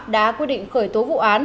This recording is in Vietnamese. đã quyết định khởi tố vụ án